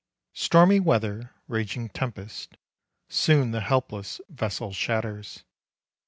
Stormy weather, raging tempest Soon the helpless vessel shatters.